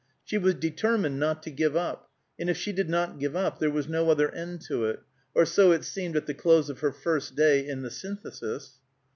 She was determined not to give up, and if she did not give up, there was no other end to it; or so it seemed at the close of her first day in the Synthesis.